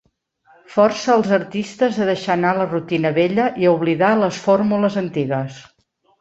Força als artistes a deixar anar la rutina vella i a oblidar les fórmules antigues.